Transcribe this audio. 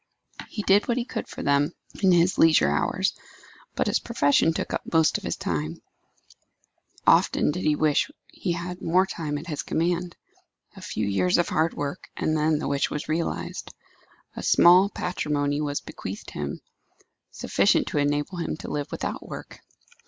He did what he could for them in his leisure hours, but his profession took up most of his time: often did he wish he had more time at his command. A few years of hard work, and then the wish was realized. A small patrimony was bequeathed him, sufficient to enable him to live without work.